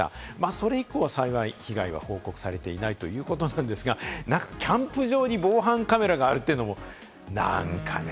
それ以降は幸い、被害は報告されていないということなんですが、キャンプ場に防犯カメラがあるというのもなんかね。